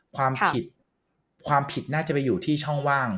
ความผิดความผิดน่าจะไปอยู่ที่ช่องว่าง